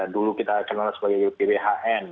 dulu kita kenal sebagai bphn